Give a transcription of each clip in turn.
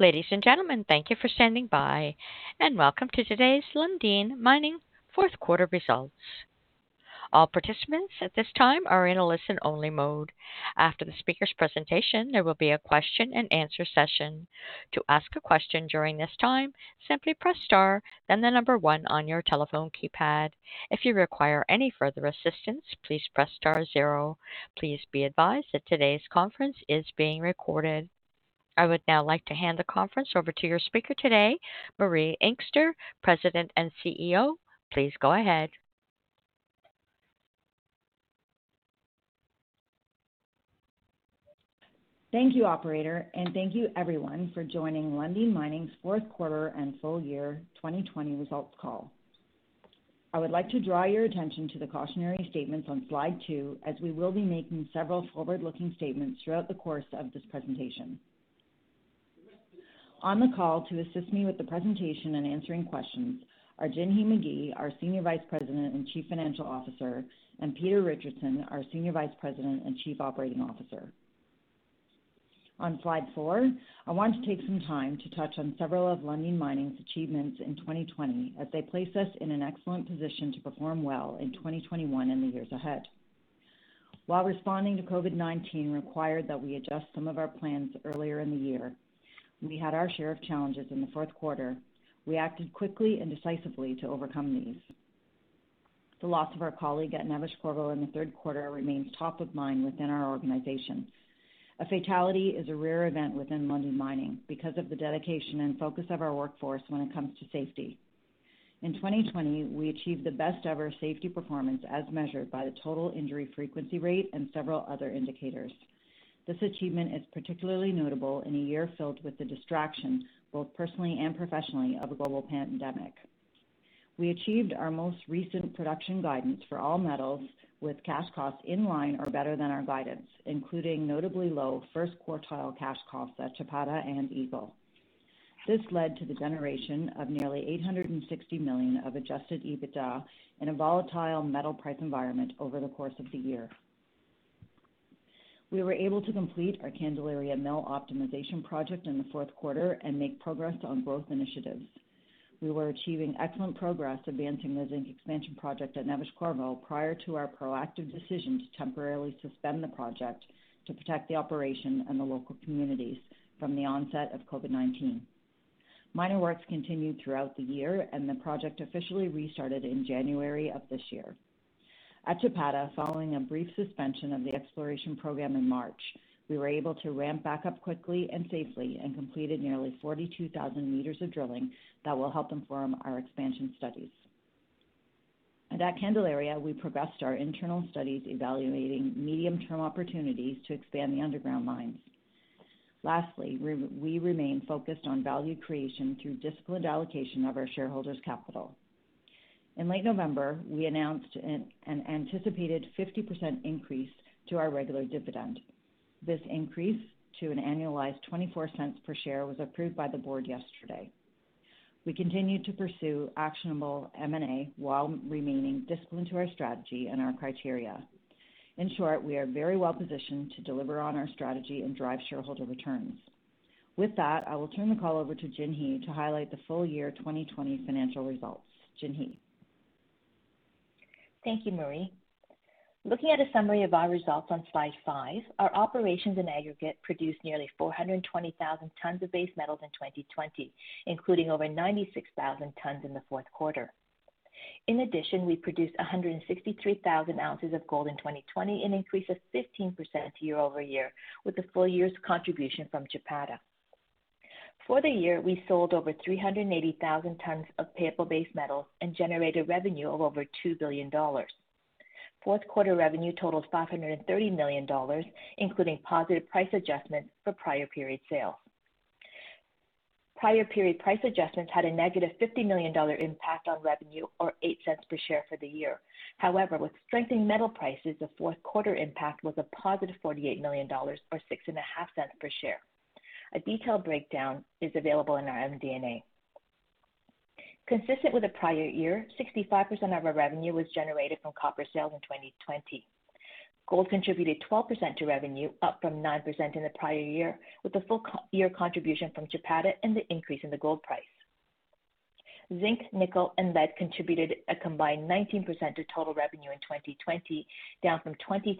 Ladies and gentlemen, thank you for standing by and welcome to today's Lundin Mining fourth quarter results. Our participants at this time are on listen only mode. After the speaker's presentation, there will be a question and answer session. To ask a question during this time, simply press star then number one on your telephone keypad. If you require any further assistance, press star zero. Please be advised that today's conference is being recorded. I would now like to hand the conference over to your speaker today, Marie Inkster, President and CEO. Please go ahead. Thank you, operator, and thank you, everyone, for joining Lundin Mining's fourth quarter and full year 2020 results call. I would like to draw your attention to the cautionary statements on slide two, as we will be making several forward-looking statements throughout the course of this presentation. On the call to assist me with the presentation and answering questions are Jinhee Magie, our Senior Vice President and Chief Financial Officer, and Peter Richardson, our Senior Vice President and Chief Operating Officer. On slide four, I want to take some time to touch on several of Lundin Mining's achievements in 2020 as they place us in an excellent position to perform well in 2021 and the years ahead. While responding to COVID-19 required that we adjust some of our plans earlier in the year, we had our share of challenges in the fourth quarter. We acted quickly and decisively to overcome these. The loss of our colleague at Neves-Corvo in the third quarter remains top of mind within our organization. A fatality is a rare event within Lundin Mining because of the dedication and focus of our workforce when it comes to safety. In 2020, we achieved the best-ever safety performance as measured by the total injury frequency rate and several other indicators. This achievement is particularly notable in a year filled with the distraction, both personally and professionally, of a global pandemic. We achieved our most recent production guidance for all metals with cash costs in line or better than our guidance, including notably low first quartile cash costs at Chapada and Eagle. This led to the generation of nearly 860 million of adjusted EBITDA in a volatile metal price environment over the course of the year. We were able to complete our Candelaria Mill Optimization Project in the fourth quarter and make progress on growth initiatives. We were achieving excellent progress advancing the Zinc Expansion Project at Neves-Corvo prior to our proactive decision to temporarily suspend the project to protect the operation and the local communities from the onset of COVID-19. Minor works continued throughout the year. The project officially restarted in January of this year. At Chapada, following a brief suspension of the exploration program in March, we were able to ramp back up quickly and safely and completed nearly 42,000 meters of drilling that will help inform our expansion studies. At Candelaria, we progressed our internal studies evaluating medium-term opportunities to expand the underground mines. Lastly, we remain focused on value creation through disciplined allocation of our shareholders' capital. In late November, we announced an anticipated 50% increase to our regular dividend. This increase to an annualized 0.24 per share was approved by the board yesterday. We continue to pursue actionable M&A while remaining disciplined to our strategy and our criteria. In short, we are very well-positioned to deliver on our strategy and drive shareholder returns. With that, I will turn the call over to Jinhee to highlight the full year 2020 financial results. Jinhee. Thank you, Marie. Looking at a summary of our results on slide five, our operations in aggregate produced nearly 420,000 tons of base metals in 2020, including over 96,000 tons in the fourth quarter. In addition, we produced 163,000 ounces of gold in 2020, an increase of 15% year-over-year with a full year's contribution from Chapada. For the year, we sold over 380,000 tons of payable base metal and generated revenue of over 2 billion dollars. Fourth quarter revenue totaled 530 million dollars, including positive price adjustments for prior period sales. Prior period price adjustments had a negative 50 million dollar impact on revenue, or 0.08 per share for the year. However, with strengthening metal prices, the fourth quarter impact was a positive 48 million dollars, or 0.065 per share. A detailed breakdown is available in our MD&A. Consistent with the prior year, 65% of our revenue was generated from copper sales in 2020. Gold contributed 12% to revenue, up from 9% in the prior year, with a full year contribution from Chapada and the increase in the gold price. Zinc, nickel, and lead contributed a combined 19% to total revenue in 2020, down from 23%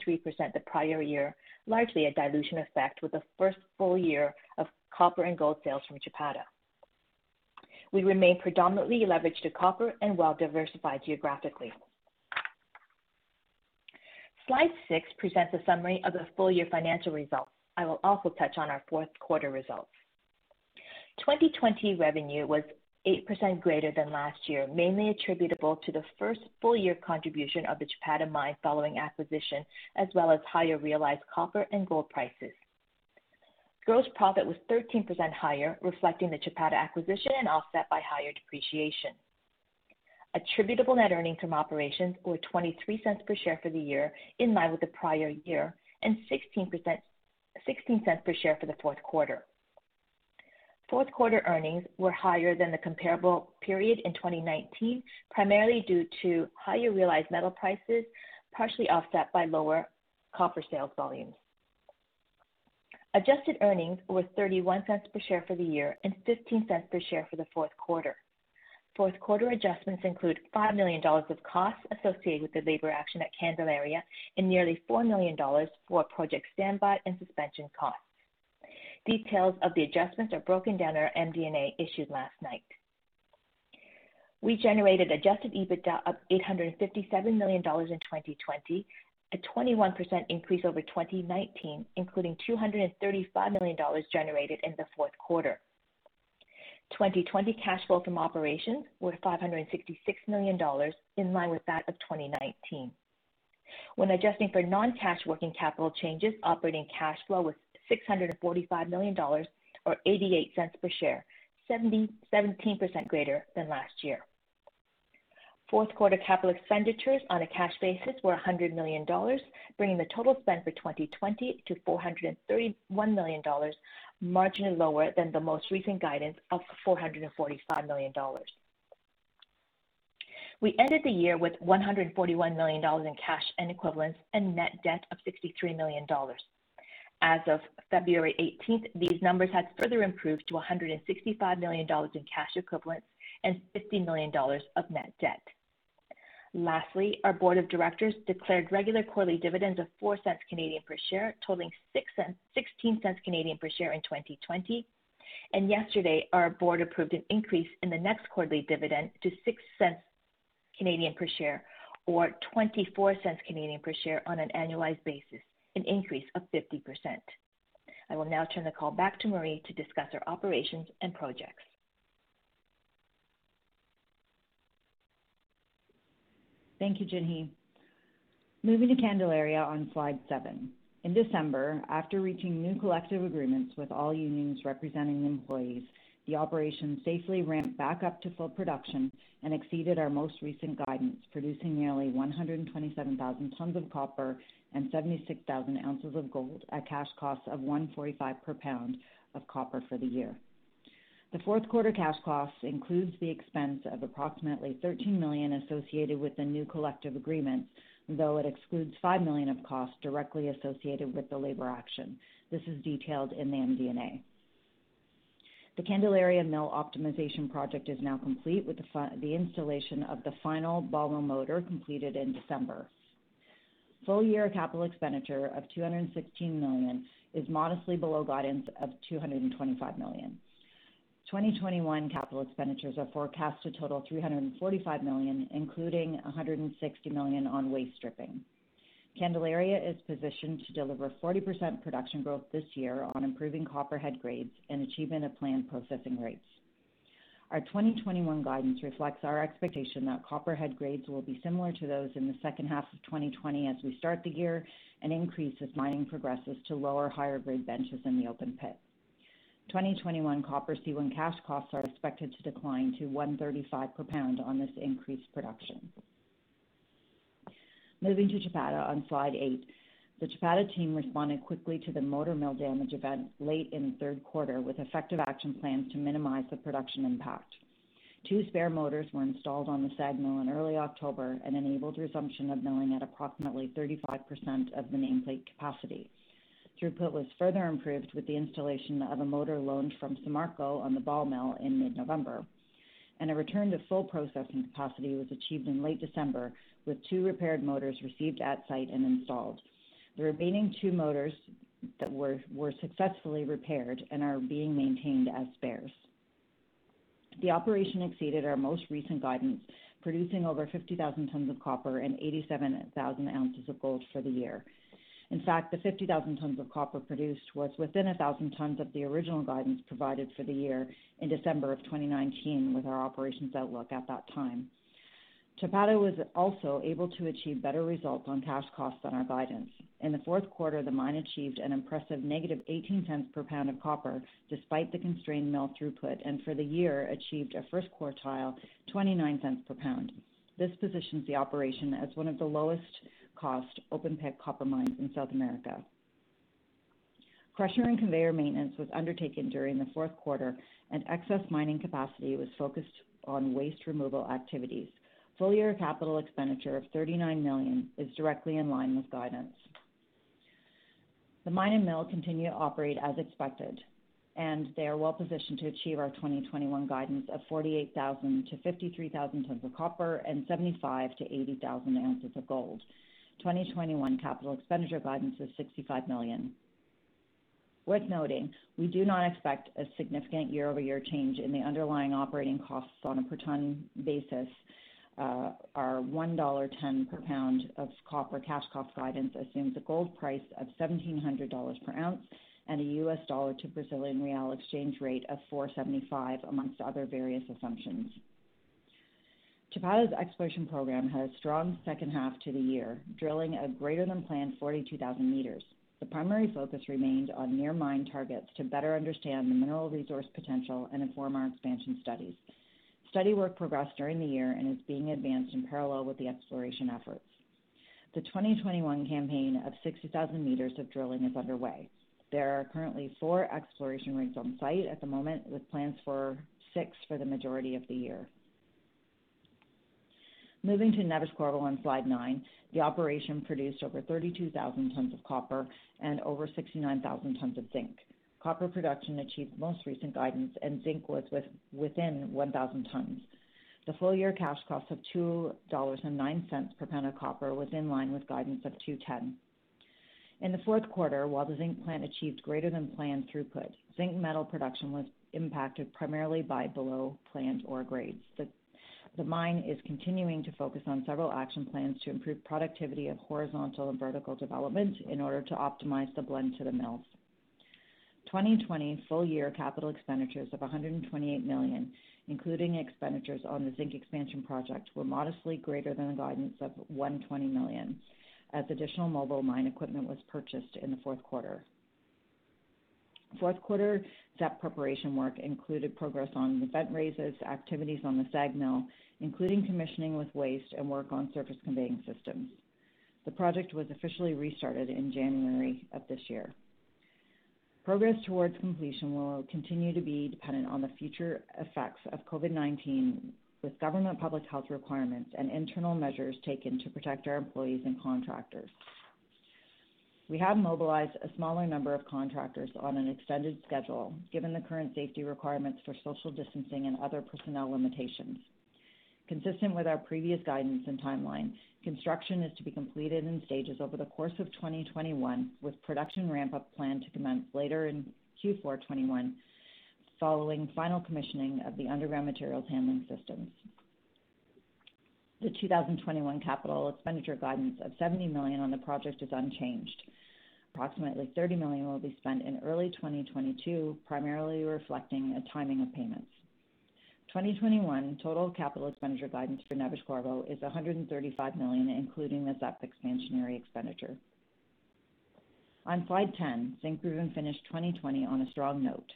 the prior year, largely a dilution effect with the first full year of copper and gold sales from Chapada. We remain predominantly leveraged to copper and well-diversified geographically. Slide six presents a summary of the full-year financial results. I will also touch on our fourth-quarter results. 2020 revenue was 8% greater than last year, mainly attributable to the first full-year contribution of the Chapada mine following acquisition, as well as higher realized copper and gold prices. Gross profit was 13% higher, reflecting the Chapada acquisition and offset by higher depreciation. Attributable net earnings from operations were 0.23 per share for the year, in line with the prior year, and 0.16 per share for the fourth quarter. Fourth quarter earnings were higher than the comparable period in 2019, primarily due to higher realized metal prices, partially offset by lower copper sales volumes. Adjusted earnings were 0.31 per share for the year and 0.15 per share for the fourth quarter. Fourth quarter adjustments include 5 million dollars of costs associated with the labor action at Candelaria and nearly 4 million dollars for project standby and suspension costs. Details of the adjustments are broken down in our MD&A issued last night. We generated adjusted EBITDA of 857 million dollars in 2020, a 21% increase over 2019, including 235 million dollars generated in the fourth quarter. 2020 cash flow from operations were 566 million dollars, in line with that of 2019. When adjusting for non-cash working capital changes, operating cash flow was 645 million dollars or 0.88 per share, 17% greater than last year. Fourth quarter capital expenditures on a cash basis were 100 million dollars, bringing the total spend for 2020 to 431 million dollars, marginally lower than the most recent guidance of 445 million dollars. We ended the year with 141 million dollars in cash and equivalents and net debt of 63 million dollars. As of February 18th, these numbers had further improved to 165 million dollars in cash equivalents and 50 million dollars of net debt. Lastly, our board of directors declared regular quarterly dividends of 0.04 per share, totaling 0.16 per share in 2020. Yesterday, our board approved an increase in the next quarterly dividend to 0.06 per share or 0.24 per share on an annualized basis, an increase of 50%. I will now turn the call back to Marie to discuss our operations and projects. Thank you, Jinhee. Moving to Candelaria on slide seven. In December, after reaching new collective agreements with all unions representing employees, the operation safely ramped back up to full production and exceeded our most recent guidance, producing nearly 127,000 tons of copper and 76,000 ounces of gold at cash costs of 145 per lbs of copper for the year. The fourth quarter cash cost includes the expense of approximately 13 million associated with the new collective agreement, though it excludes 5 million of costs directly associated with the labor action. This is detailed in the MD&A. The Candelaria Mill Optimization Project is now complete with the installation of the final ball mill motor completed in December. Full-year capital expenditure of 216 million is modestly below guidance of 225 million. 2021 capital expenditures are forecast to total 345 million, including 160 million on waste stripping. Candelaria is positioned to deliver 40% production growth this year on improving copper head grades and achievement of planned processing rates. Our 2021 guidance reflects our expectation that copper head grades will be similar to those in the second half of 2020 as we start the year and increase as mining progresses to lower higher-grade benches in the open pit. 2021 copper C1 cash costs are expected to decline to 135 per lbs on this increased production. Moving to Chapada on slide eight. The Chapada team responded quickly to the motor mill damage event late in the third quarter with effective action plans to minimize the production impact. Two spare motors were installed on the SAG mill in early October and enabled resumption of milling at approximately 35% of the nameplate capacity. Throughput was further improved with the installation of a motor loaned from Samarco on the ball mill in mid-November, and a return to full processing capacity was achieved in late December, with two repaired motors received at site and installed. The remaining two motors that were successfully repaired and are being maintained as spares. The operation exceeded our most recent guidance, producing over 50,000 tons of copper and 87,000 ounces of gold for the year. In fact, the 50,000 tons of copper produced was within 1,000 tons of the original guidance provided for the year in December of 2019 with our operations outlook at that time. Chapada was also able to achieve better results on cash costs on our guidance. In the fourth quarter, the mine achieved an impressive negative 0.18 per lbs of copper, despite the constrained mill throughput, and for the year achieved a first quartile 0.29 per lbs. This positions the operation as one of the lowest cost open-pit copper mines in South America. Crusher and conveyor maintenance was undertaken during the fourth quarter, and excess mining capacity was focused on waste removal activities. Full-year capital expenditure of 39 million is directly in line with guidance. The mine and mill continue to operate as expected, and they are well-positioned to achieve our 2021 guidance of 48,000-53,000 tons of copper and 75,000-80,000 ounces of gold. 2021 capital expenditure guidance is 65 million. Worth noting, we do not expect a significant year-over-year change in the underlying operating costs on a per ton basis. Our 1.10 dollar per lbs of copper cash cost guidance assumes a gold price of 1,700 dollars per ounce and a US dollar to Brazilian real exchange rate of 475 among other various assumptions. Chapada's exploration program had a strong second half to the year, drilling a greater than planned 42,000 meters. The primary focus remained on near mine targets to better understand the mineral resource potential and inform our expansion studies. Study work progressed during the year and is being advanced in parallel with the exploration efforts. The 2021 campaign of 60,000 meters of drilling is underway. There are currently four exploration rigs on site at the moment, with plans for six for the majority of the year. Moving to Neves-Corvo on slide nine, the operation produced over 32,000 tons of copper and over 69,000 tons of zinc. Copper production achieved most recent guidance, zinc was within 1,000 tons. The full-year cash cost of $2.09 per lbs of copper was in line with guidance of $2.10. In the fourth quarter, while the zinc plant achieved greater than planned throughput, zinc metal production was impacted primarily by below-planned ore grades. The mine is continuing to focus on several action plans to improve productivity of horizontal and vertical development in order to optimize the blend to the mills. 2020 full-year capital expenditures of 128 million, including expenditures on the Zinc Expansion Project, were modestly greater than the guidance of 120 million as additional mobile mine equipment was purchased in the fourth quarter. Fourth quarter ZEP preparation work included progress on the vent raises, activities on the SAG mill, including commissioning with waste, and work on surface conveying systems. The project was officially restarted in January of this year. Progress towards completion will continue to be dependent on the future effects of COVID-19, with government public health requirements and internal measures taken to protect our employees and contractors. We have mobilized a smaller number of contractors on an extended schedule, given the current safety requirements for social distancing and other personnel limitations. Consistent with our previous guidance and timeline, construction is to be completed in stages over the course of 2021, with production ramp-up planned to commence later in Q4 2021, following final commissioning of the underground materials handling systems. The 2021 capital expenditure guidance of 70 million on the project is unchanged. Approximately 30 million will be spent in early 2022, primarily reflecting a timing of payments. 2021 total capital expenditure guidance for Neves-Corvo is 135 million, including the ZEP expansionary expenditure. On slide 10, Zinkgruvan finished 2020 on a strong note.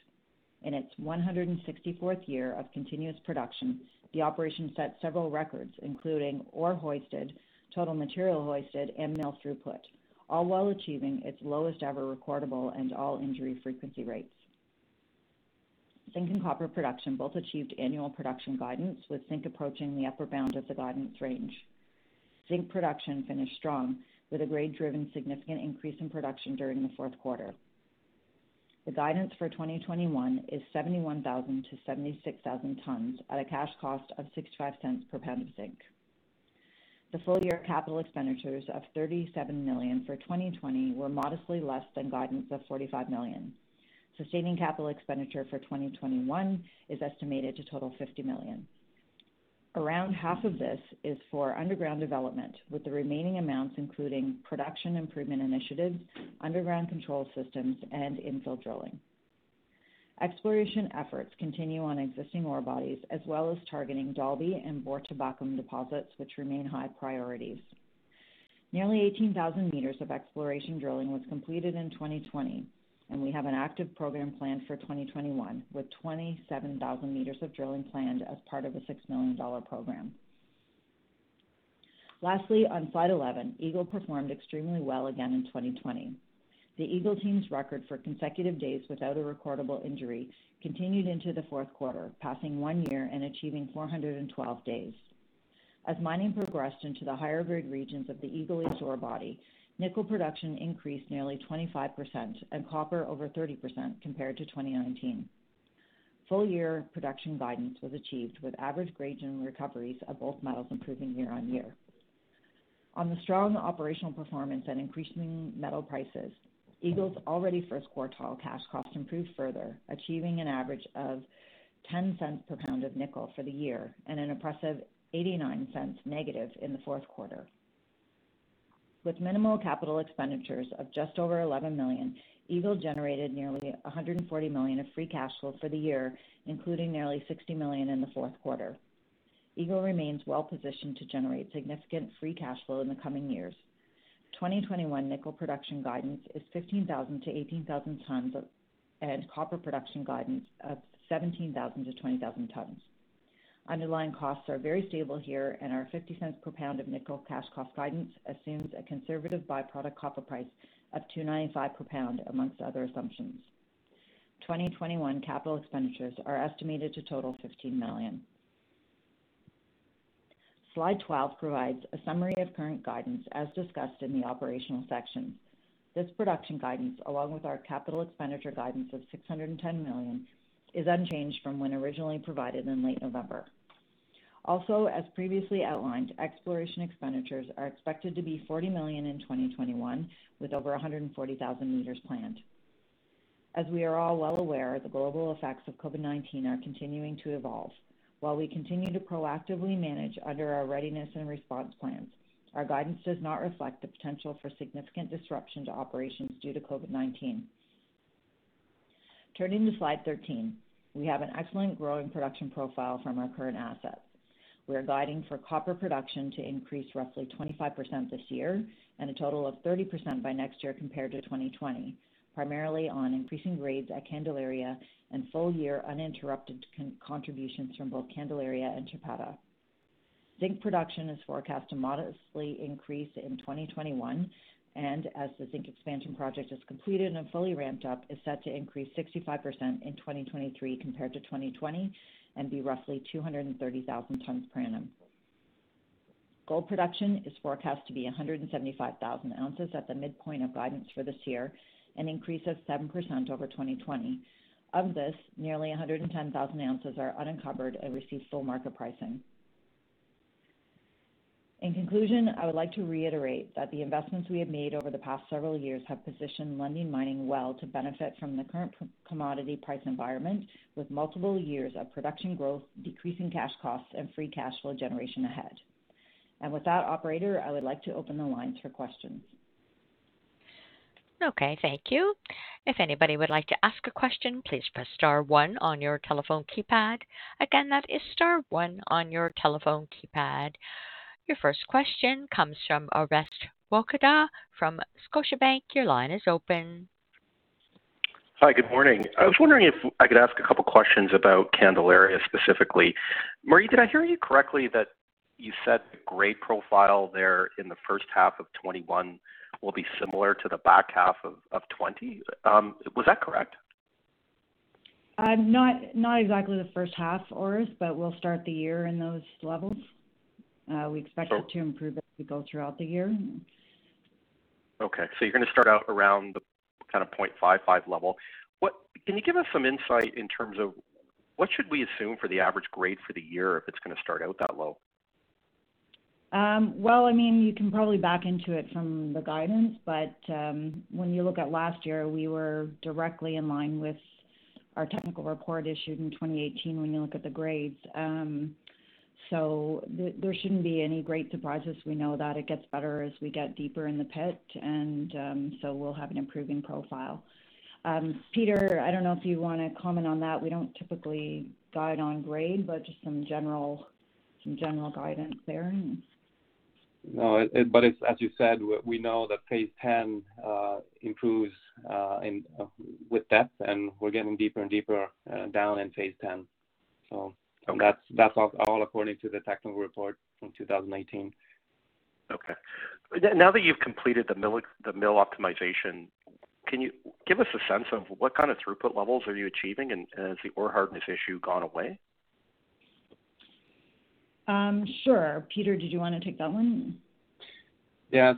In its 164th year of continuous production, the operation set several records, including ore hoisted, total material hoisted, and mill throughput, all while achieving its lowest ever recordable and all injury frequency rates. zinc and copper production both achieved annual production guidance, with zinc approaching the upper bound of the guidance range. zinc production finished strong, with a grade-driven significant increase in production during the fourth quarter. The guidance for 2021 is 71,000 to 76,000 tons at a cash cost of $0.65 per lbs of zinc. The full-year capital expenditures of CAD 37 million for 2020 were modestly less than guidance of CAD 45 million. Sustaining capital expenditure for 2021 is estimated to total CAD 50 million. Around half of this is for underground development, with the remaining amounts including production improvement initiatives, underground control systems, and infill drilling. Exploration efforts continue on existing ore bodies, as well as targeting Dalby and Borta Bakom deposits, which remain high priorities. Nearly 18,000 meters of exploration drilling was completed in 2020, and we have an active program planned for 2021, with 27,000 meters of drilling planned as part of a 6 million dollar program. Lastly, on slide 11, Eagle Mine performed extremely well again in 2020. The Eagle Mine team's record for consecutive days without a recordable injury continued into the fourth quarter, passing one year and achieving 412 days. As mining progressed into the higher-grade regions of the Eagle Mine ore body, nickel production increased nearly 25% and copper over 30% compared to 2019. Full-year production guidance was achieved, with average grades and recoveries of both metals improving year on year. On the strong operational performance and increasing metal prices, Eagle's already first quartile cash costs improved further, achieving an average of $0.10 per lbs of nickel for the year and an impressive -$0.89 in the fourth quarter. With minimal capital expenditures of just over $11 million, Eagle generated nearly $140 million of free cash flow for the year, including nearly $60 million in the fourth quarter. Eagle remains well positioned to generate significant free cash flow in the coming years. 2021 nickel production guidance is 15,000-18,000 tons and copper production guidance of 17,000-20,000 tons. Underlying costs are very stable here, and our $0.50 per lbs of nickel cash cost guidance assumes a conservative by-product copper price of $2.95 per lbs, among other assumptions. 2021 capital expenditures are estimated to total $15 million. Slide 12 provides a summary of current guidance as discussed in the operational section. This production guidance, along with our capital expenditure guidance of 610 million, is unchanged from when originally provided in late November. Also, as previously outlined, exploration expenditures are expected to be 40 million in 2021, with over 140,000 meters planned. As we are all well aware, the global effects of COVID-19 are continuing to evolve. While we continue to proactively manage under our readiness and response plans, our guidance does not reflect the potential for significant disruption to operations due to COVID-19. Turning to slide 13, we have an excellent growing production profile from our current assets. We are guiding for copper production to increase roughly 25% this year and a total of 30% by next year compared to 2020, primarily on increasing grades at Candelaria and full-year uninterrupted contributions from both Candelaria and Chapada. Zinc production is forecast to modestly increase in 2021, and as the Zinc Expansion Project is completed and fully ramped up, is set to increase 65% in 2023 compared to 2020 and be roughly 230,000 tons per annum. Gold production is forecast to be 175,000 ounces at the midpoint of guidance for this year, an increase of 7% over 2020. Of this, nearly 110,000 ounces are unencumbered and receive full market pricing. In conclusion, I would like to reiterate that the investments we have made over the past several years have positioned Lundin Mining well to benefit from the current commodity price environment with multiple years of production growth, decreasing cash costs, and free cash flow generation ahead. With that, operator, I would like to open the lines for questions. Okay, thank you. If anybody would like to ask a question, please press star one on your telephone keypad. Again, that is star one on your telephone keypad. Your first question comes from Orest Wowkodaw from Scotiabank. Your line is open. Hi, good morning. I was wondering if I could ask a couple questions about Candelaria specifically. Marie, did I hear you correctly that you said the grade profile there in the first half of 2021 will be similar to the back half of 2020? Was that correct? Not exactly the first half, Orest, but we'll start the year in those levels. So- We expect it to improve as we go throughout the year. Okay. You're going to start out around the 0.55 level. Can you give us some insight in terms of what should we assume for the average grade for the year if it's going to start out that low? You can probably back into it from the guidance, when you look at last year, we were directly in line with our technical report issued in 2018 when you look at the grades. There shouldn't be any great surprises. We know that it gets better as we get deeper in the pit, we'll have an improving profile. Peter, I don't know if you want to comment on that. We don't typically guide on grade, just some general guidance there. No, as you said, we know that Phase 10 improves with depth, and we're getting deeper and deeper down in Phase 10. Okay. That's all according to the technical report from 2018. Okay. Now that you've completed the Mill Optimization, can you give us a sense of what kind of throughput levels are you achieving, and has the ore hardness issue gone away? Sure. Peter, did you want to take that one? Yeah.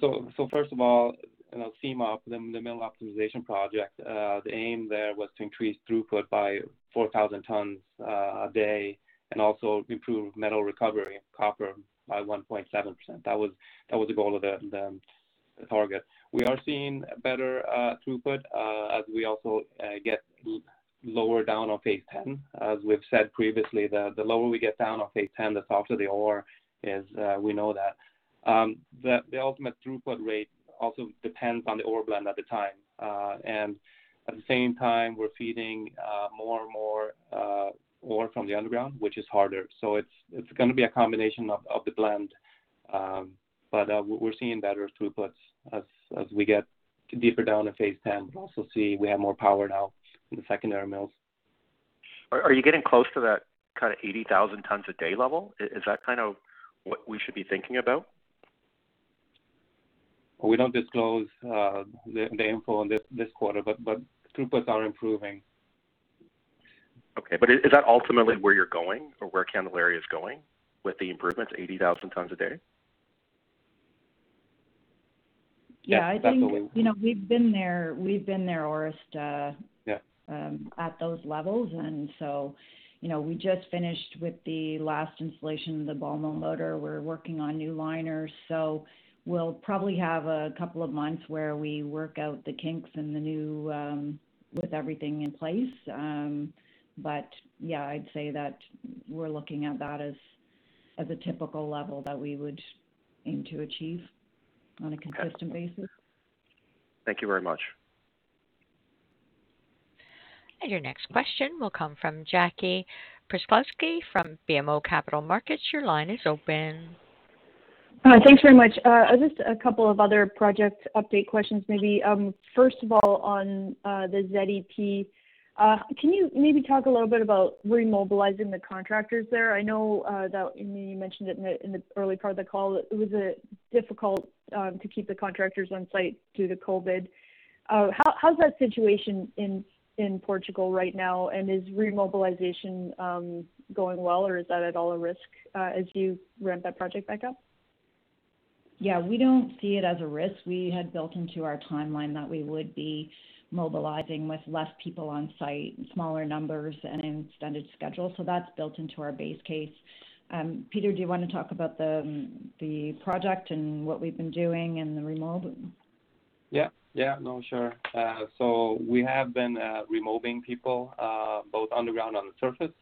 First of all, the MOP, the Mill Optimization Project, the aim there was to increase throughput by 4,000 tons a day and also improve metal recovery of copper by 1.7%. That was the goal of the target. We are seeing better throughput, as we also get lower down on Phase 10. As we've said previously, the lower we get down on Phase 10, the softer the ore is. We know that. The ultimate throughput rate also depends on the ore blend at the time. At the same time, we're feeding more and more ore from the underground, which is harder. It's going to be a combination of the blend. We're seeing better throughputs as we get deeper down to Phase 10. We also see we have more power now in the secondary mills. Are you getting close to that 80,000 tons a day level? Is that what we should be thinking about? We don't disclose the info on this quarter, but throughputs are improving. Okay. Is that ultimately where you're going or where Candelaria is going with the improvements, 80,000 tons a day? Yeah. Yes, absolutely. we've been there, Orest. Yeah at those levels. We just finished with the last installation of the ball mill motor. We're working on new liners, so we'll probably have a couple of months where we work out the kinks and with everything in place. Yeah, I'd say that we're looking at that as a typical level that we would aim to achieve on a consistent basis. Okay. Thank you very much. Your next question will come from Jackie Przybylowski from BMO Capital Markets. Your line is open. Thanks very much. Just a couple of other project update questions, maybe. First of all, on the ZEP, can you maybe talk a little bit about remobilizing the contractors there? I know that, you mentioned it in the early part of the call, it was difficult to keep the contractors on site due to COVID. How's that situation in Portugal right now? Is remobilization going well, or is that at all a risk as you ramp that project back up? Yeah. We don't see it as a risk. We had built into our timeline that we would be mobilizing with less people on site, in smaller numbers and an extended schedule. That's built into our base case. Peter, do you want to talk about the project and what we've been doing and the remob? Yeah. No, sure. We have been remobilizing people, both underground and on the surface.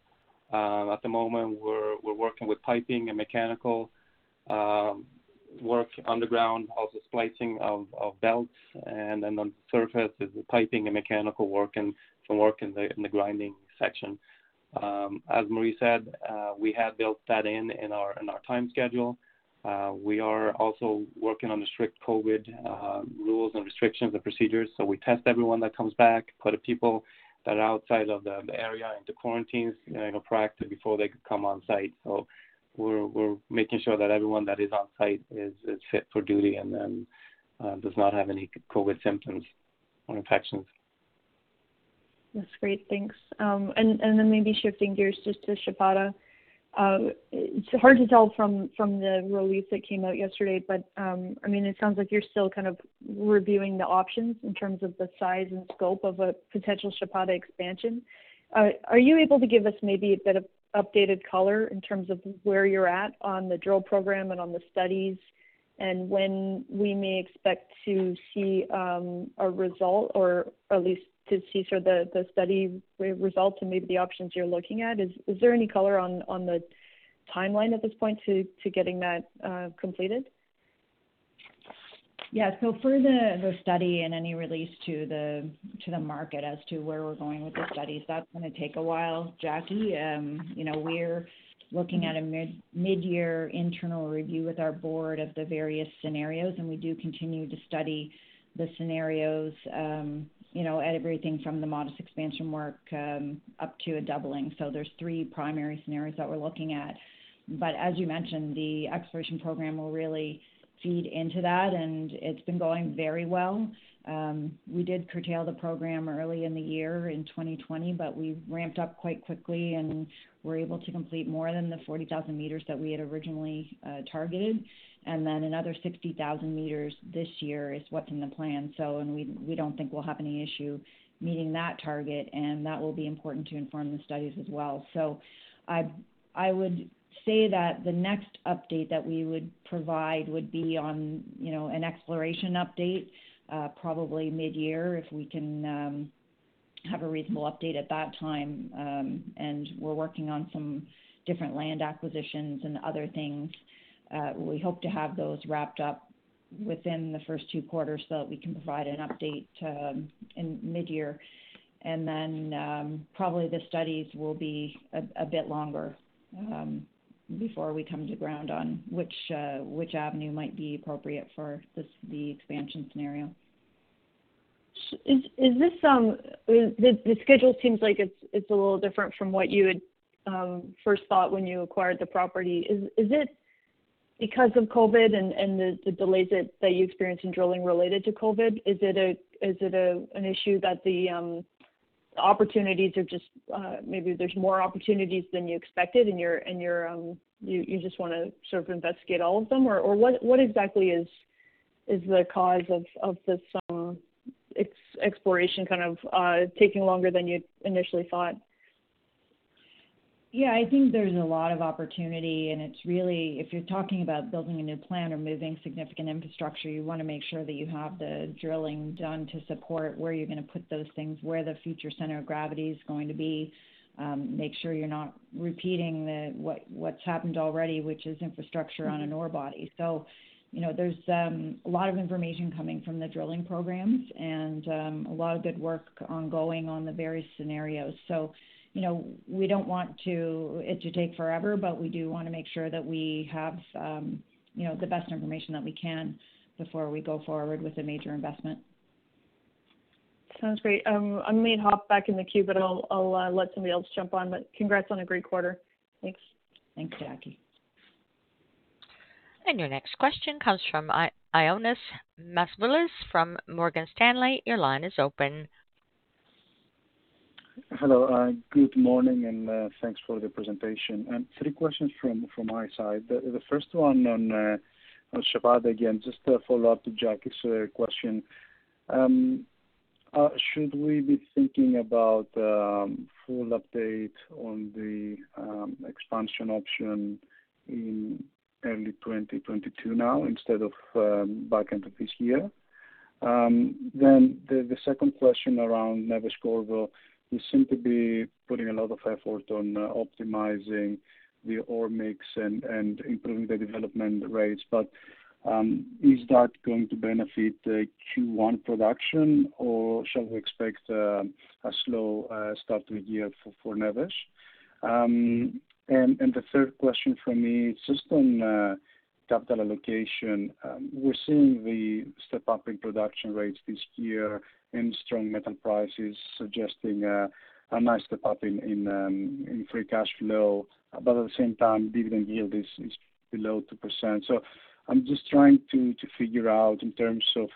At the moment, we're working with piping and mechanical work underground, also splicing of belts. On surface is the piping and mechanical work and some work in the grinding section. As Marie said, we have built that in our time schedule. We are also working on the strict COVID rules and restrictions and procedures. We test everyone that comes back, quite a few people that are outside of the area into quarantines proactively before they could come on site. We're making sure that everyone that is on site is fit for duty and does not have any COVID symptoms or infections. That's great. Thanks. Maybe shifting gears just to Chapada. It's hard to tell from the release that came out yesterday, but it sounds like you're still kind of reviewing the options in terms of the size and scope of a potential Chapada expansion. Are you able to give us maybe a bit of updated color in terms of where you're at on the drill program and on the studies, and when we may expect to see a result, or at least to see the study results and maybe the options you're looking at? Is there any color on the timeline at this point to getting that completed? Yeah. For the study and any release to the market as to where we're going with the studies, that's going to take a while, Jackie. We're looking at a mid-year internal review with our board of the various scenarios. We do continue to study the scenarios at everything from the modest expansion work up to a doubling. There's three primary scenarios that we're looking at. As you mentioned, the exploration program will really feed into that. It's been going very well. We did curtail the program early in the year in 2020. We ramped up quite quickly and were able to complete more than the 40,000 meters that we had originally targeted. Another 60,000 meters this year is what's in the plan. We don't think we'll have any issue meeting that target, and that will be important to inform the studies as well. I would say that the next update that we would provide would be on an exploration update probably mid-year, if we can have a reasonable update at that time. We're working on some different land acquisitions and other things. We hope to have those wrapped up within the first two quarters so that we can provide an update in mid-year. Probably the studies will be a bit longer before we come to ground on which avenue might be appropriate for the expansion scenario. The schedule seems like it's a little different from what you had first thought when you acquired the property. Is it because of COVID and the delays that you experienced in drilling related to COVID? Is it an issue that maybe there's more opportunities than you expected, and you just want to sort of investigate all of them? What exactly is the cause of this exploration kind of taking longer than you initially thought? Yeah, I think there's a lot of opportunity, it's really, if you're talking about building a new plant or moving significant infrastructure, you want to make sure that you have the drilling done to support where you're going to put those things, where the future center of gravity is going to be, make sure you're not repeating what's happened already, which is infrastructure on an ore body. There's a lot of information coming from the drilling programs and a lot of good work ongoing on the various scenarios. We don't want it to take forever, but we do want to make sure that we have the best information that we can before we go forward with a major investment. Sounds great. I may hop back in the queue, but I'll let somebody else jump on. Congrats on a great quarter. Thanks. Thanks, Jackie. Your next question comes from Ioannis Masvoulas from Morgan Stanley. Your line is open. Hello, good morning, and thanks for the presentation. Three questions from my side. The first one on Chapada again, just a follow-up to Jackie's question. Should we be thinking about full update on the expansion option in early 2022 now instead of back end of this year? The second question around Neves-Corvo, you seem to be putting a lot of effort on optimizing the ore mix and improving the development rates. Is that going to benefit Q1 production, or shall we expect a slow start to the year for Neves? The third question for me is just on capital allocation. We're seeing the step-up in production rates this year and strong metal prices suggesting a nice step-up in free cash flow. At the same time, dividend yield is below 2%. I'm just trying to figure out in terms of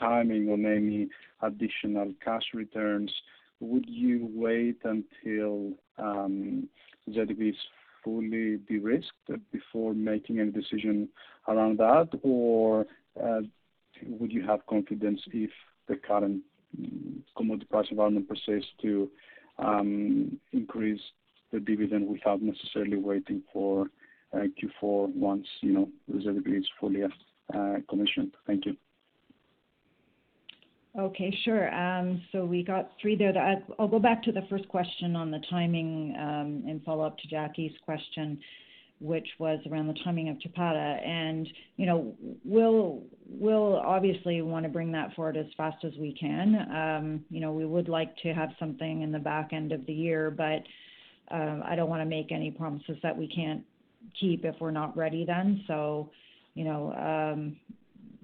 timing on any additional cash returns, would you wait until ZEP is fully de-risked before making any decision around that? Or would you have confidence if the current commodity price environment persists to increase the dividend without necessarily waiting for Q4 once ZEP is fully commissioned? Thank you. Okay, sure. We got three there that I'll go back to the first question on the timing, in follow-up to Jackie's question, which was around the timing of Chapada. We'll obviously want to bring that forward as fast as we can. We would like to have something in the back end of the year, but I don't want to make any promises that we can't keep if we're not ready then.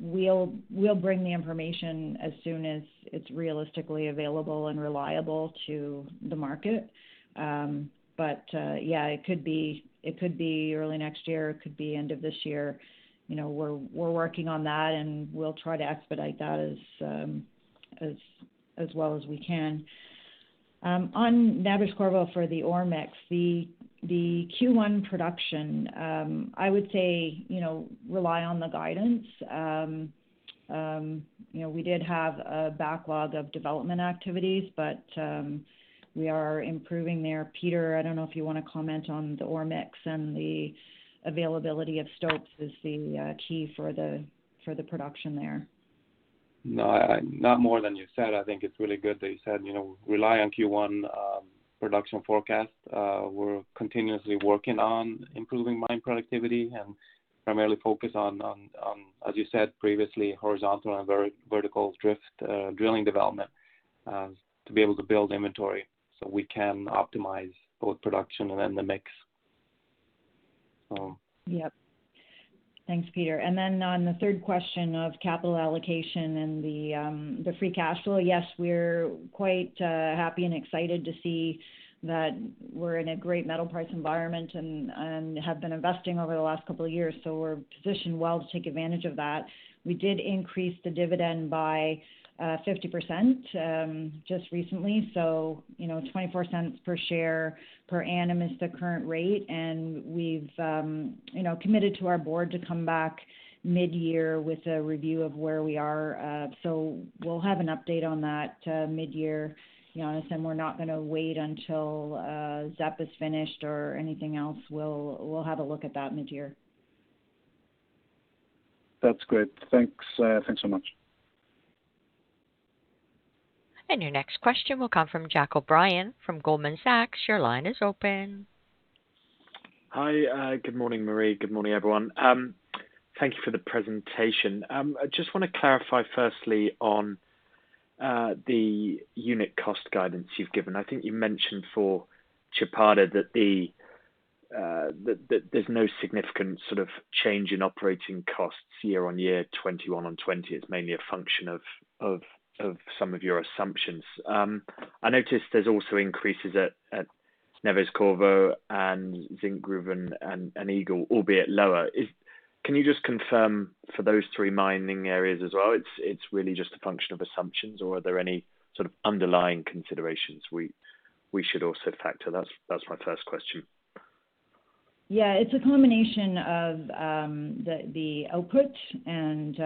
We'll bring the information as soon as it's realistically available and reliable to the market. Yeah, it could be early next year, it could be end of this year. We're working on that and we'll try to expedite that as well as we can. On Neves-Corvo for the ore mix, the Q1 production, I would say rely on the guidance. We did have a backlog of development activities, but we are improving there. Peter, I don't know if you want to comment on the ore mix and the availability of stopes as the key for the production there. No, not more than you said. I think it is really good that you said rely on Q1 production forecast. We are continuously working on improving mine productivity and primarily focus on, as you said previously, horizontal and vertical drift drilling development to be able to build inventory so we can optimize both production and then the mix. Yep. Thanks, Peter. On the third question of capital allocation and the free cash flow. Yes, we're quite happy and excited to see that we're in a great metal price environment and have been investing over the last couple of years. We're positioned well to take advantage of that. We did increase the dividend by 50% just recently. 0.24 per share per annum is the current rate. We've committed to our board to come back mid-year with a review of where we are. We'll have an update on that mid-year. As I said, we're not going to wait until ZEP is finished or anything else. We'll have a look at that mid-year. That's great. Thanks so much. Your next question will come from Jack O'Brien from Goldman Sachs. Your line is open. Hi. Good morning, Marie. Good morning, everyone. Thank you for the presentation. I just want to clarify firstly on the unit cost guidance you've given. I think you mentioned for Chapada that there's no significant change in operating costs year on year 2021 on 2020. It's mainly a function of some of your assumptions. I noticed there's also increases at Neves-Corvo and Zinkgruvan and Eagle, albeit lower. Can you just confirm for those three mining areas as well, it's really just a function of assumptions or are there any underlying considerations we should also factor? That's my first question. Yeah, it's a combination of the output and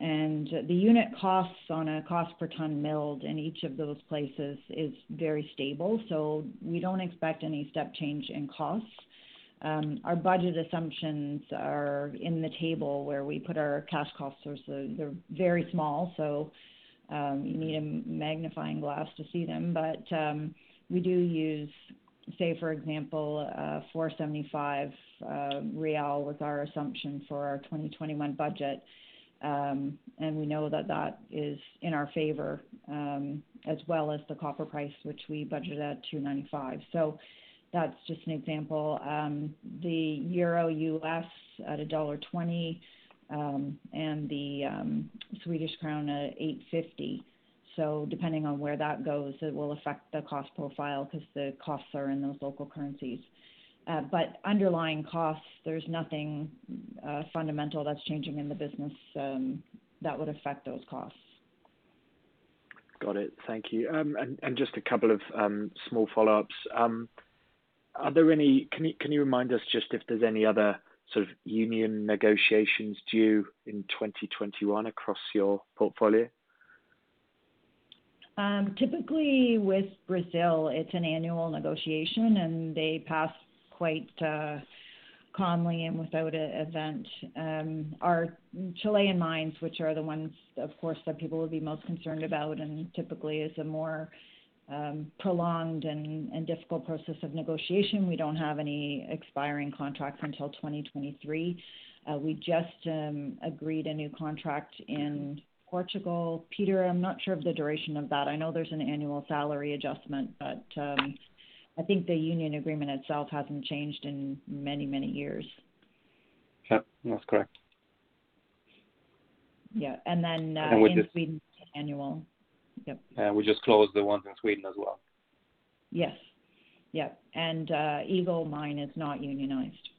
the unit costs on a cost per ton milled in each of those places is very stable. We don't expect any step change in costs. Our budget assumptions are in the table where we put our cash cost. They're very small, so you need a magnifying glass to see them. We do use, say, for example, 475 real was our assumption for our 2021 budget. We know that that is in our favor, as well as the copper price, which we budget at 2.95. That's just an example. The Euro-US at $1.20, and the Swedish krona at 850. Depending on where that goes, it will affect the cost profile because the costs are in those local currencies. Underlying costs, there's nothing fundamental that's changing in the business that would affect those costs. Got it. Thank you. Just a couple of small follow-ups. Can you remind us just if there's any other union negotiations due in 2021 across your portfolio? Typically with Brazil, it's an annual negotiation and they pass quite calmly and without an event. Our Chilean mines, which are the ones, of course, that people would be most concerned about and typically is a more prolonged and difficult process of negotiation, we don't have any expiring contracts until 2023. We just agreed a new contract in Portugal. Peter, I'm not sure of the duration of that. I know there's an annual salary adjustment, but I think the union agreement itself hasn't changed in many, many years. Yep, that's correct. Yeah. And with the- in Sweden it's annual. Yep. Yeah, we just closed the ones in Sweden as well. Yes. Yep. Eagle Mine is not unionized.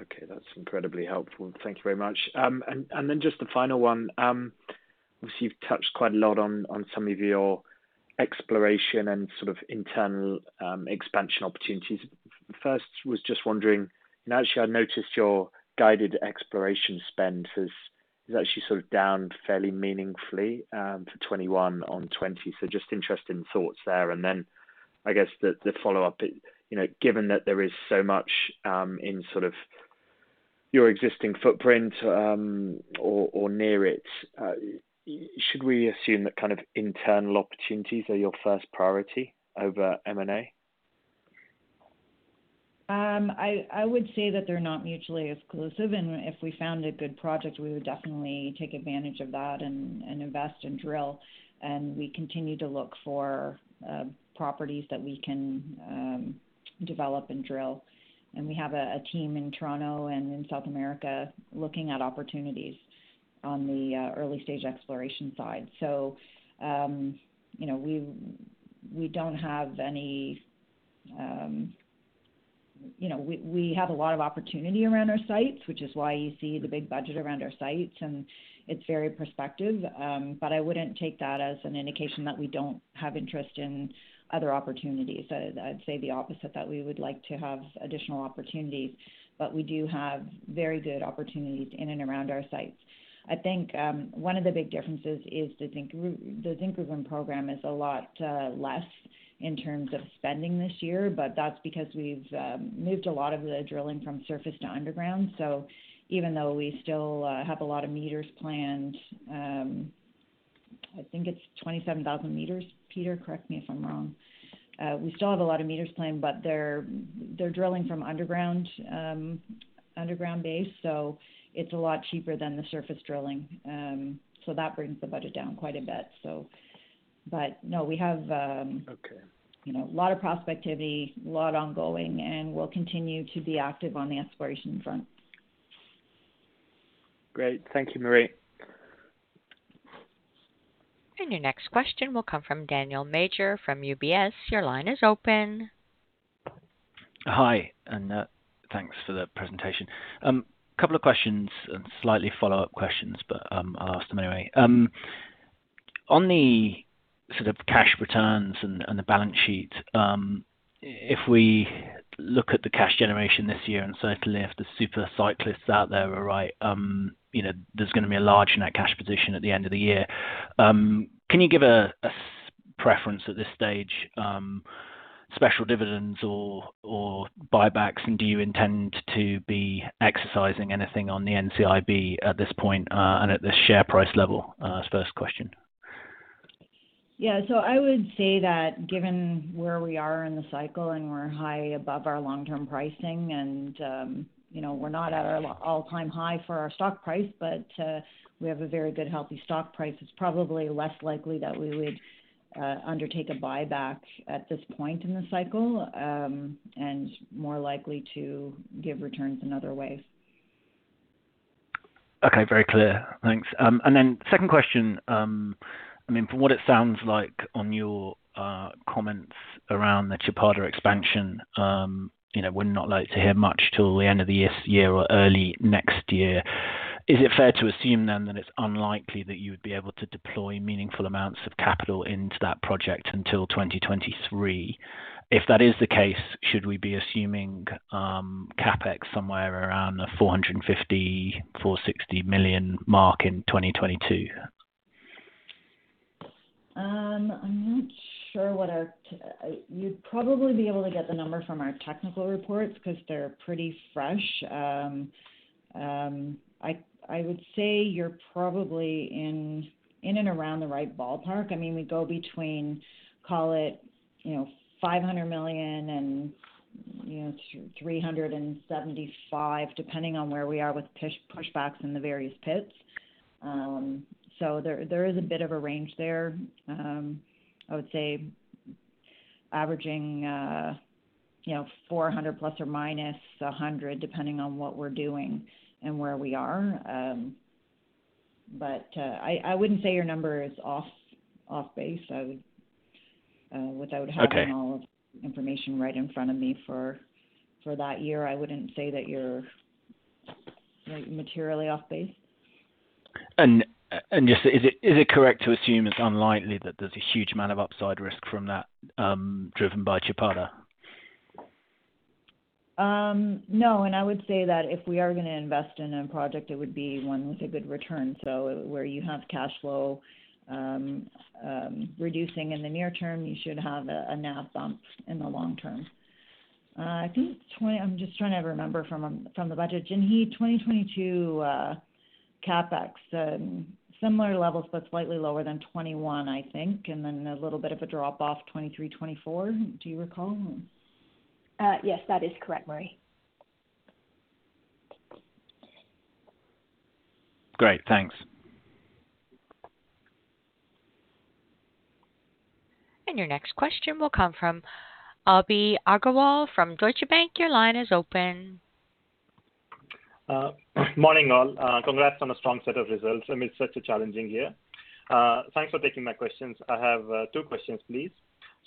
Okay, that's incredibly helpful. Thank you very much. Then just the final one. Obviously, you've touched quite a lot on some of your exploration and internal expansion opportunities. First, was just wondering, actually, I noticed your guided exploration spend is actually down fairly meaningfully for 2021 on 2020. Just interested in thoughts there. Then I guess the follow-up, given that there is so much in your existing footprint or near it, should we assume that internal opportunities are your first priority over M&A? I would say that they're not mutually exclusive, and if we found a good project, we would definitely take advantage of that and invest and drill. We continue to look for properties that we can develop and drill. We have a team in Toronto and in South America looking at opportunities on the early-stage exploration side. We have a lot of opportunity around our sites, which is why you see the big budget around our sites, and it's very prospective. I wouldn't take that as an indication that we don't have interest in other opportunities. I'd say the opposite, that we would like to have additional opportunities. We do have very good opportunities in and around our sites. I think one of the big differences is the Zinkgruvan program is a lot less in terms of spending this year. That's because we've moved a lot of the drilling from surface to underground. Even though we still have a lot of meters planned, I think it's 27,000 meters. Peter, correct me if I'm wrong. We still have a lot of meters planned, but they're drilling from underground base, so it's a lot cheaper than the surface drilling. That brings the budget down quite a bit. No. Okay A lot of prospectivity, a lot ongoing, and we'll continue to be active on the exploration front. Great. Thank you, Marie. Your next question will come from Daniel Major from UBS. Your line is open. Hi, thanks for the presentation. Couple of questions and slightly follow-up questions, but I'll ask them anyway. On the sort of cash returns and the balance sheet, if we look at the cash generation this year, and certainly if the super cyclists out there are right, there's going to be a large net cash position at the end of the year. Can you give a preference at this stage, special dividends or buybacks, and do you intend to be exercising anything on the NCIB at this point and at this share price level? First question. I would say that given where we are in the cycle, and we're high above our long-term pricing, and we're not at our all-time high for our stock price, but we have a very good, healthy stock price. It's probably less likely that we would undertake a buyback at this point in the cycle, and more likely to give returns in other ways. Okay. Very clear. Thanks. Second question, from what it sounds like on your comments around the Chapada expansion, we're not likely to hear much till the end of this year or early next year. Is it fair to assume then that it's unlikely that you would be able to deploy meaningful amounts of capital into that project until 2023? If that is the case, should we be assuming CapEx somewhere around the 450 million, 460 million mark in 2022? I'm not sure. You'd probably be able to get the number from our technical reports because they're pretty fresh. I would say you're probably in and around the right ballpark. We go between, call it, 500 million and 375, depending on where we are with pushbacks in the various pits. There is a bit of a range there. I would say averaging 400 ± 100, depending on what we're doing and where we are. I wouldn't say your number is off base. Okay without having all of the information right in front of me for that year, I wouldn't say that you're materially off base. Just, is it correct to assume it's unlikely that there's a huge amount of upside risk from that driven by Chapada? No, I would say that if we are going to invest in a project, it would be one with a good return. Where you have cash flow reducing in the near term, you should have a NAV bump in the long term. I'm just trying to remember from the budget. Jinhee, 2022 CapEx, similar levels, but slightly lower than 2021, I think, and then a little bit of a drop off 2023, 2024. Do you recall? Yes, that is correct, Marie. Great. Thanks. Your next question will come from Abhinandan Agarwal from Deutsche Bank. Your line is open. Morning, all. Congrats on a strong set of results amidst such a challenging year. Thanks for taking my questions. I have two questions, please.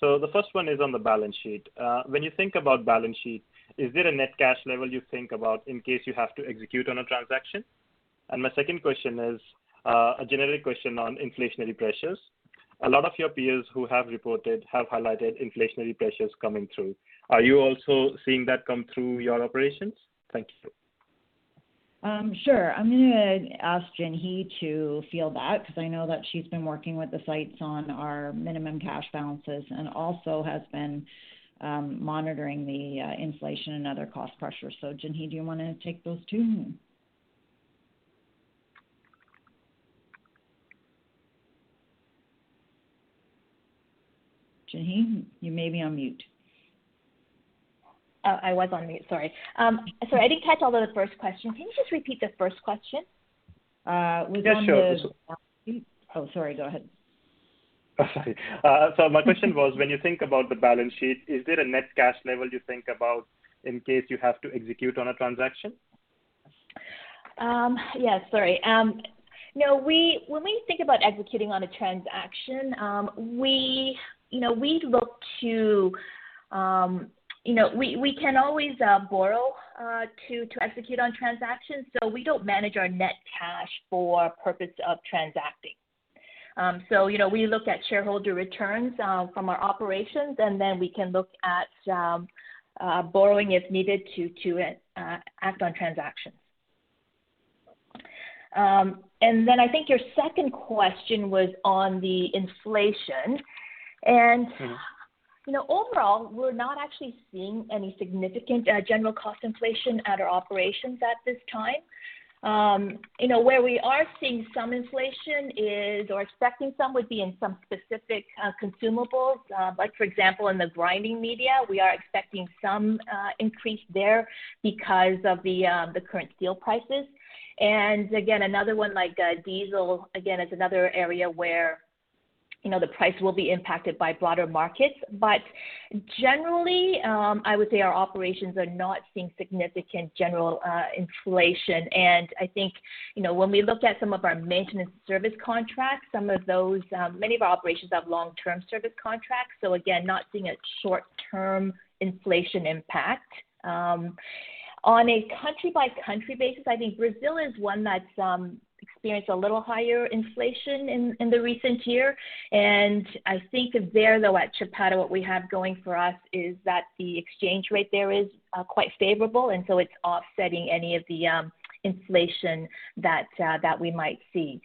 The first one is on the balance sheet. When you think about balance sheet, is there a net cash level you think about in case you have to execute on a transaction? My second question is a generic question on inflationary pressures. A lot of your peers who have reported have highlighted inflationary pressures coming through. Are you also seeing that come through your operations? Thank you. Sure. I'm going to ask Jinhee to field that because I know that she's been working with the sites on our minimum cash balances and also has been monitoring the inflation and other cost pressures. Jinhee, do you want to take those two? Jinhee, you may be on mute. Oh, I was on mute. Sorry. I didn't catch all of the first question. Can you just repeat the first question? Yes, sure. Oh, sorry. Go ahead. Sorry. My question was, when you think about the balance sheet, is there a net cash level you think about in case you have to execute on a transaction? Yes. Sorry. When we think about executing on a transaction, we can always borrow to execute on transactions, so we don't manage our net cash for purpose of transacting. We look at shareholder returns from our operations, and then we can look at borrowing if needed to act on transactions. I think your second question was on the inflation. Overall, we're not actually seeing any significant general cost inflation at our operations at this time. Where we are seeing some inflation is, or expecting some, would be in some specific consumables. Like for example, in the grinding media, we are expecting some increase there because of the current steel prices. Again, another one like diesel, again, is another area where the price will be impacted by broader markets. Generally, I would say our operations are not seeing significant general inflation. I think, when we look at some of our maintenance service contracts, many of our operations have long-term service contracts, so again, not seeing a short-term inflation impact. On a country-by-country basis, I think Brazil is one that's experienced a little higher inflation in the recent year. I think there, though, at Chapada, what we have going for us is that the exchange rate there is quite favorable, and so it's offsetting any of the inflation that we might see.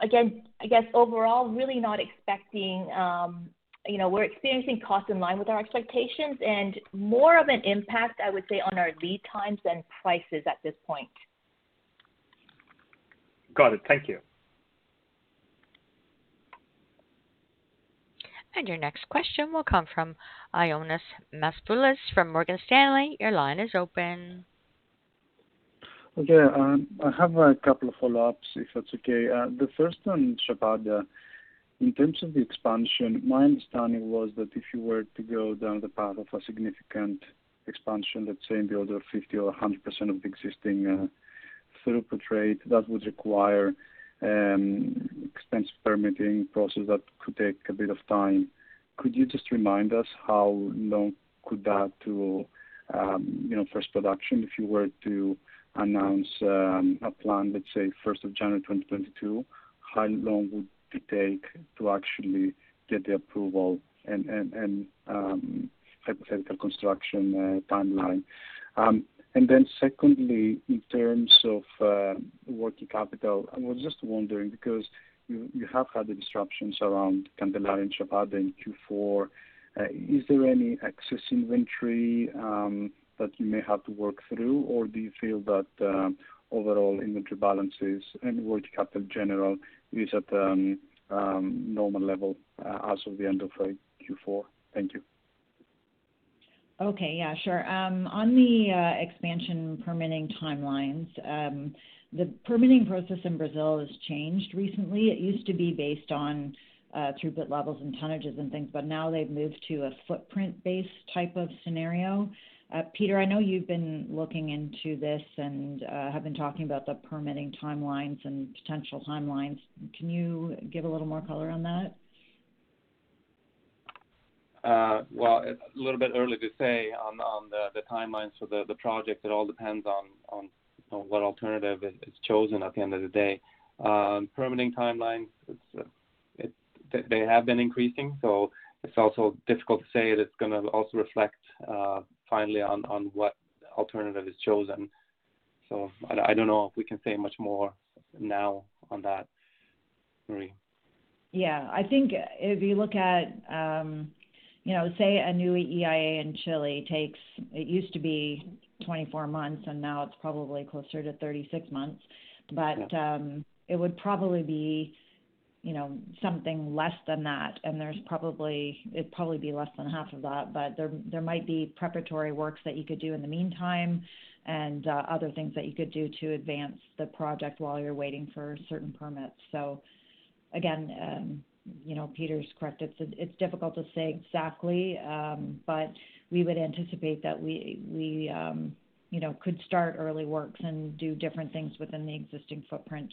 Again, I guess overall, we're experiencing cost in line with our expectations. More of an impact, I would say, on our lead times than prices at this point. Got it. Thank you. Your next question will come from Ioannis Masvoulas from Morgan Stanley. Your line is open. Okay. I have a couple of follow-ups, if that's okay. The first on Chapada. In terms of the expansion, my understanding was that if you were to go down the path of a significant expansion, let's say in the order of 50% or 100% of existing throughput rate, that would require extensive permitting process that could take a bit of time. Could you just remind us how long could that to first production, if you were to announce a plan, let's say 1st of January 2022, how long would it take to actually get the approval and hypothetical construction timeline? Secondly, in terms of working capital, I was just wondering, because you have had the disruptions around Candelaria and Chapada in Q4, is there any excess inventory that you may have to work through, or do you feel that overall inventory balances and working capital in general is at normal level as of the end of Q4? Thank you. Okay. Yeah, sure. On the expansion permitting timelines, the permitting process in Brazil has changed recently. It used to be based on throughput levels and tonnages and things, but now they've moved to a footprint-based type of scenario. Peter, I know you've been looking into this and have been talking about the permitting timelines and potential timelines. Can you give a little more color on that? Well, it's a little bit early to say on the timelines for the project. It all depends on what alternative is chosen at the end of the day. Permitting timelines, they have been increasing. It's also difficult to say that it's going to also reflect finally on what alternative is chosen. I don't know if we can say much more now on that, Marie. Yeah, I think if you look at, say a new EIA in Chile takes, it used to be 24 months, and now it's probably closer to 36 months. Yeah. It would probably be something less than that, it'd probably be less than half of that. There might be preparatory works that you could do in the meantime, and other things that you could do to advance the project while you're waiting for certain permits. Again, Peter's correct. It's difficult to say exactly, but we would anticipate that we could start early works and do different things within the existing footprint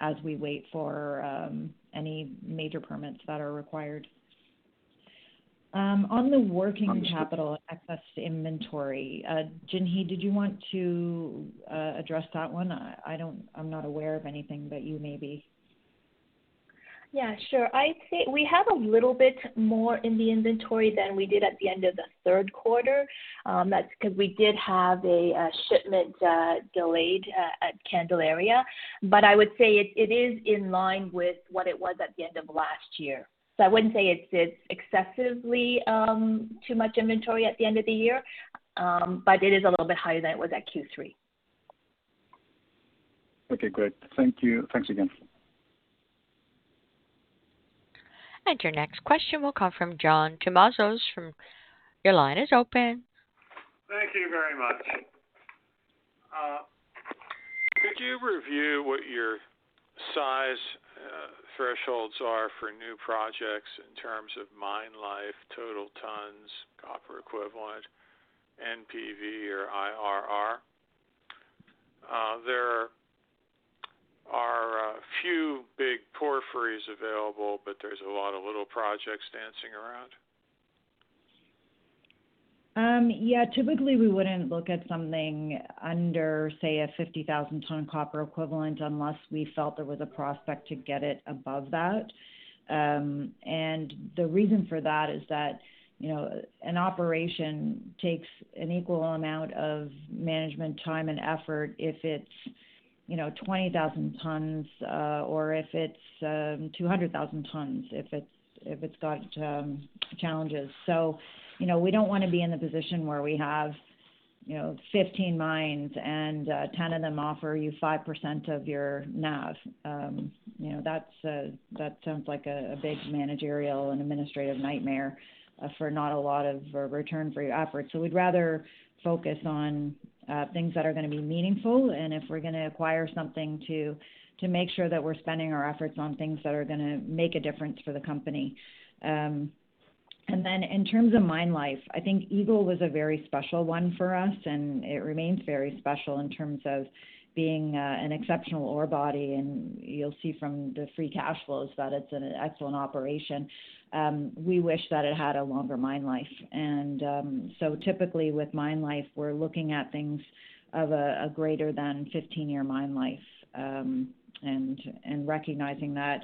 as we wait for any major permits that are required. On the working capital excess inventory, Jinhee, did you want to address that one? I'm not aware of anything, but you may be. Yeah, sure. I'd say we have a little bit more in the inventory than we did at the end of the third quarter. That's because we did have a shipment delayed at Candelaria. I would say it is in line with what it was at the end of last year. I wouldn't say it's excessively too much inventory at the end of the year. It is a little bit higher than it was at Q3. Okay, great. Thank you. Thanks again. Your next question will come from John Tumazos. Thank you very much. Could you review what your size thresholds are for new projects in terms of mine life, total tons, copper equivalent, NPV or IRR? There are a few big porphyries available, but there's a lot of little projects dancing around. Typically, we wouldn't look at something under, say, a 50,000 ton copper equivalent unless we felt there was a prospect to get it above that. The reason for that is that an operation takes an equal amount of management time and effort if it's 20,000 tons or if it's 200,000 tons, if it's got challenges. We don't want to be in the position where we have 15 mines and 10 of them offer you 5% of your NAV. That sounds like a big managerial and administrative nightmare for not a lot of return for your effort. We'd rather focus on things that are going to be meaningful and if we're going to acquire something to make sure that we're spending our efforts on things that are going to make a difference for the company. In terms of mine life, I think Eagle was a very special one for us, and it remains very special in terms of being an exceptional ore body, and you'll see from the free cash flows that it's an excellent operation. We wish that it had a longer mine life. Typically with mine life, we're looking at things of a greater than 15-year mine life, and recognizing that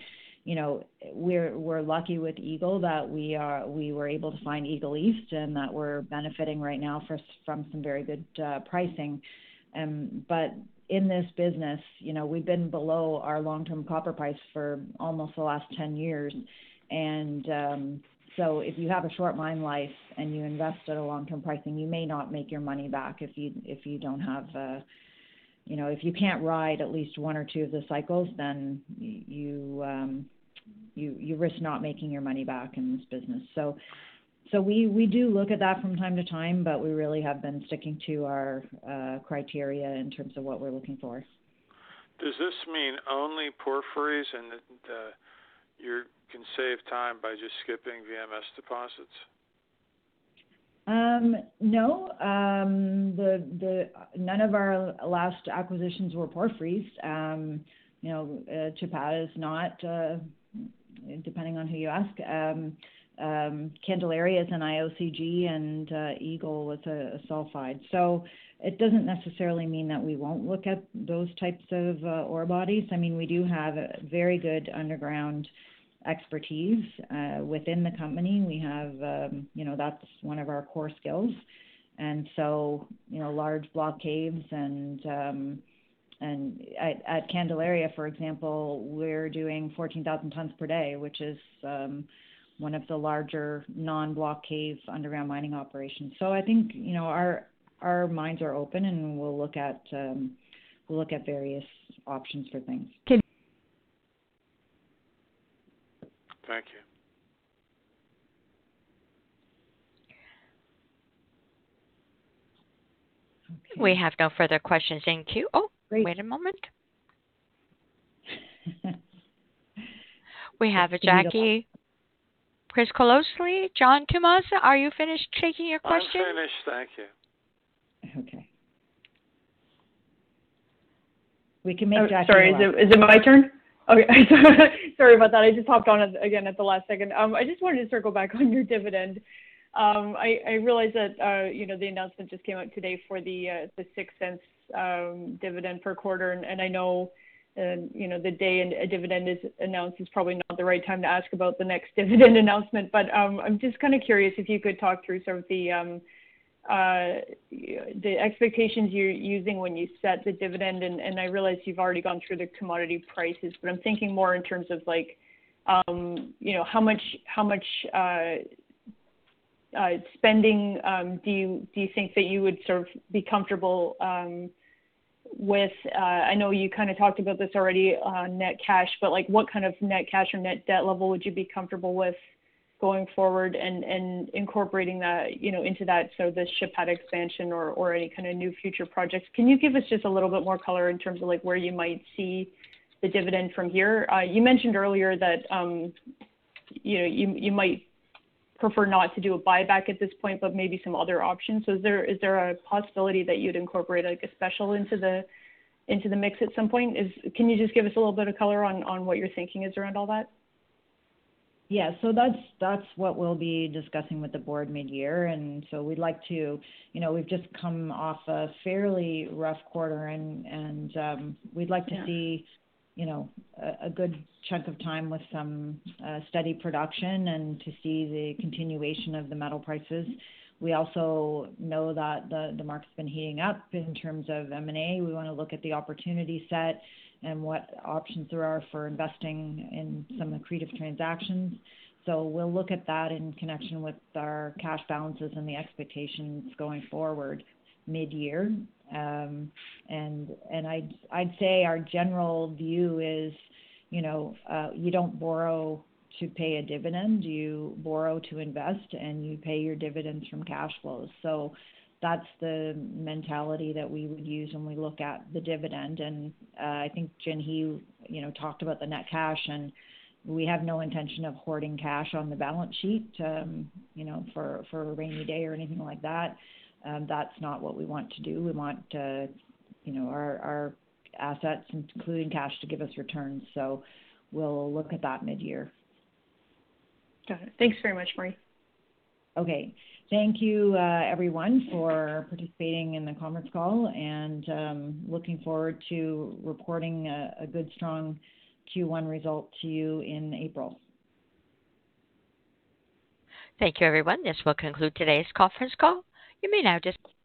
we're lucky with Eagle that we were able to find Eagle East and that we're benefiting right now from some very good pricing. In this business, we've been below our long-term copper price for almost the last 10 years. If you have a short mine life and you invest at a long-term pricing, you may not make your money back if you can't ride at least one or two of the cycles, then you risk not making your money back in this business. We do look at that from time to time, but we really have been sticking to our criteria in terms of what we're looking for. Does this mean only porphyries and that you can save time by just skipping VMS deposits? No. None of our last acquisitions were porphyries. Chapada is not, depending on who you ask. Candelaria is an IOCG, and Eagle was a sulfide. It doesn't necessarily mean that we won't look at those types of ore bodies. We do have very good underground expertise within the company. That's one of our core skills. Large block caves and at Candelaria, for example, we're doing 14,000 tons per day, which is one of the larger non-block cave underground mining operations. I think our minds are open and we'll look at various options for things. Thank you. We have no further questions in queue. Oh, wait a moment. We have a Jackie Przybylowski, John Tumazos, are you finished taking your questions? I'm finished, thank you. Okay. We can make Jackie last. Sorry, is it my turn? Okay. Sorry about that. I just hopped on again at the last second. I just wanted to circle back on your dividend. I realize that the announcement just came out today for the 0.06 dividend per quarter, and I know the day a dividend is announced is probably not the right time to ask about the next dividend announcement. I'm just curious if you could talk through some of the expectations you're using when you set the dividend. I realize you've already gone through the commodity prices, but I'm thinking more in terms of how much spending do you think that you would be comfortable with. I know you talked about this already on net cash. What kind of net cash or net debt level would you be comfortable with going forward and incorporating that into that, so the Chapada expansion or any kind of new future projects? Can you give us just a little bit more color in terms of where you might see the dividend from here? You mentioned earlier that you might prefer not to do a buyback at this point. Maybe some other options. Is there a possibility that you'd incorporate a special into the mix at some point? Can you just give us a little bit of color on what your thinking is around all that? Yeah. That's what we'll be discussing with the board mid-year. We've just come off a fairly rough quarter and we'd like to see a good chunk of time with some steady production and to see the continuation of the metal prices. We also know that the market's been heating up in terms of M&A. We want to look at the opportunity set and what options there are for investing in some accretive transactions. We'll look at that in connection with our cash balances and the expectations going forward mid-year. I'd say our general view is you don't borrow to pay a dividend, you borrow to invest, and you pay your dividends from cash flows. That's the mentality that we would use when we look at the dividend. I think Jinhee talked about the net cash, and we have no intention of hoarding cash on the balance sheet for a rainy day or anything like that. That's not what we want to do. We want our assets, including cash, to give us returns. We'll look at that mid-year. Got it. Thanks very much, Marie. Okay. Thank you, everyone, for participating in the conference call, and looking forward to reporting a good, strong Q1 result to you in April. Thank you, everyone. This will conclude today's conference call. You may now disconnect.